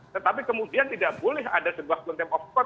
tetapi kemudian tidak boleh ada sebuah contempt of court